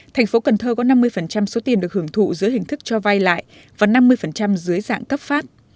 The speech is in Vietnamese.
thành phố cần thơ có năm mươi số tiền được hưởng thụ giữa hình thức cho vay lại và năm mươi dưới dạng cấp phát